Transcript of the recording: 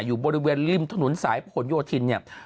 อยู่บริเวณริมถนนสายผลโยธินเนี่ย